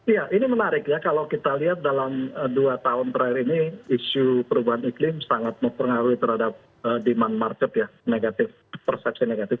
iya ini menarik ya kalau kita lihat dalam dua tahun terakhir ini isu perubahan iklim sangat mempengaruhi terhadap demand market ya negatif persepsi negatif